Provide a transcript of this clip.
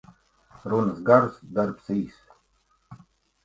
Runas garas, darbs īss.